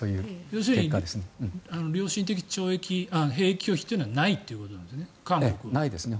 要するに良心的兵役拒否というのはないということですね。